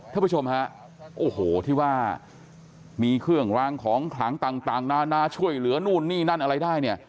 ท่านผู้ชมฮะโอ้โหที่ว่ามีเครื่องรางของขลังต่างนานาช่วยเหลือนู่นนี่นั่นอะไรได้เนี่ย